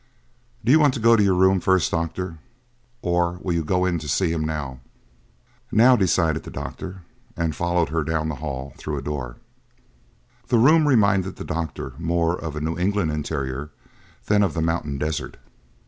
"Do you want to go to your room first, doctor, or will you go in to see him now?" "Now," decided the doctor, and followed her down the hall and through a door. The room reminded the doctor more of a New England interior than of the mountain desert.